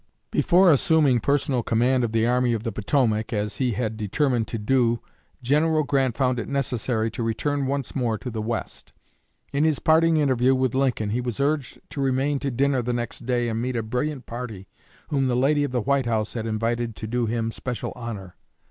Before assuming personal command of the Army of the Potomac, as he had determined to do, General Grant found it necessary to return once more to the West. In his parting interview with Lincoln, he was urged to remain to dinner the next day and meet a brilliant party whom the lady of the White House had invited to do him special honor.